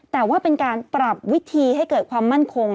แต่ว่าเป็นการปรับวิธีให้เกิดความมั่นคง